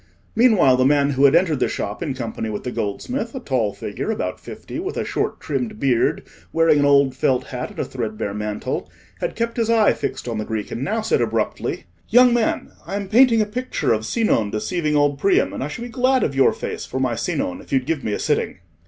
Meanwhile the man who had entered the shop in company with the goldsmith—a tall figure, about fifty, with a short trimmed beard, wearing an old felt hat and a threadbare mantle—had kept his eye fixed on the Greek, and now said abruptly— "Young man, I am painting a picture of Sinon deceiving old Priam, and I should be glad of your face for my Sinon, if you'd give me a sitting."